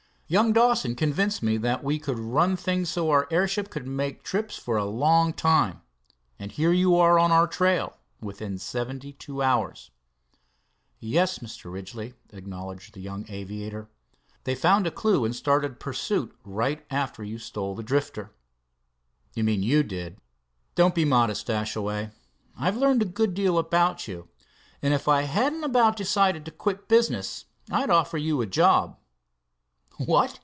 Young Dawson convinced me that we could run things so our airship could make trips for a long time, and here you are on our trail within seventy two hours." "Yes, Mr. Ridgely," acknowledged the young aviator. "They found a clew and started pursuit right after you stole the Drifter." "You mean you did. Don't be modest, Dashaway. I've learned a good deal about you, and if I hadn't about decided to quit business I'd offer you a job." "What!"